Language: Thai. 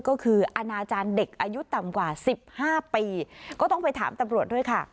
ก็คืออนาจารย์เด็กอายุต่ำกว่า๑๕ปีก็ต้องไปถามตำรวจด้วยค่ะ